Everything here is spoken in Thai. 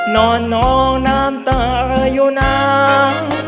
นอนนองน้ำตาอยู่นาน